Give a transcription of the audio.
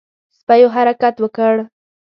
سپيو حرکت وکړ.